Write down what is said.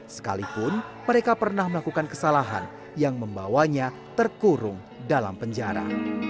sekalipun mereka pernah melakukan kesalahan yang membawanya terkurung dalam penjara